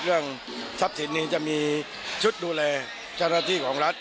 เรื่องทรัพย์สินนี้จะมีชุดดูแลเจ้าหน้าที่ของรัฐ